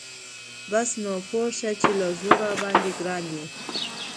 بس نو پوه شه چې له زړه راباندی ګران یي .